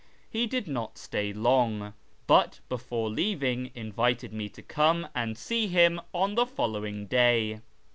He did not stay long, but before leaving invited me to come and see him on the following day.